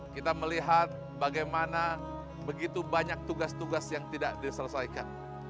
kita melihat bagaimana begitu banyak tugas tugas yang tidak diselesaikan